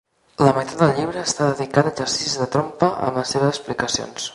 La meitat del llibre està dedicat a exercicis de trompa amb les seves explicacions.